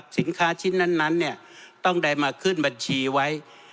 สินค้าชิ้นนั้นเนี่ยต้องได้มาขึ้นบัญชีไว้